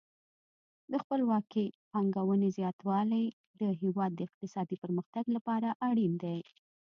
د خپلواکې پانګونې زیاتوالی د هیواد د اقتصادي پرمختګ لپاره اړین دی.